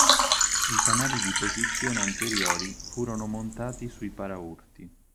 I fanali di posizione anteriori furono montati sui paraurti.